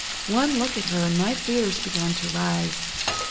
One look at her and my fears began to rise.